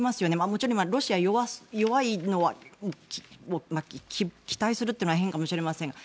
もちろん、ロシアが弱いのは期待するというのは変かもしれませんが。